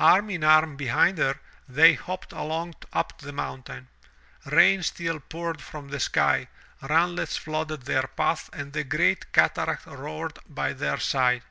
Arm in arm behind her, they hopped along up the mountain. Rain still poured from the sky, runlets flooded their path and the great cataract roared by their side.